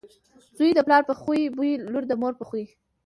زوی دپلار په خوی بويه، لور دمور په خوی .